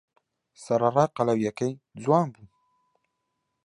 سەرەڕای قەڵەوییەکەی، جوان بوو.